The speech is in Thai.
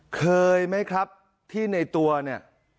เคยไหมครับที่ในตัวเนี่ย